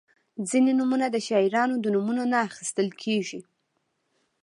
• ځینې نومونه د شاعرانو د نومونو نه اخیستل کیږي.